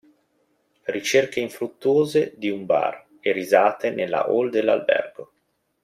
Ricerche infruttuose di un bar e risate nella hall dell'albergo.